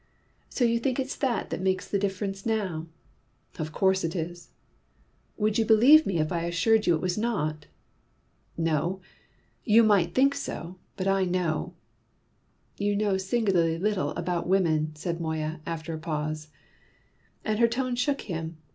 "So you think it's that that makes the difference now?" "Of course it is." "Would you believe me if I assured you it was not?" "No; you might think so; but I know." "You know singularly little about women," said Moya after a pause. And her tone shook him.